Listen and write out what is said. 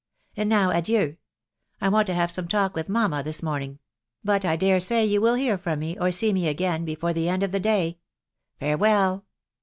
And now adieu !.... I want to nave some talk with mamma this morning : but 1 dare say you will hear from me, or see me again, before the end of the day. Farewell